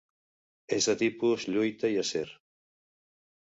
És de tipus lluita i acer.